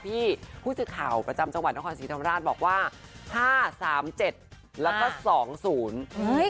ผู้สื่อข่าวประจำจังหวัดนครศรีธรรมราชบอกว่าห้าสามเจ็ดแล้วก็สองศูนย์เฮ้ย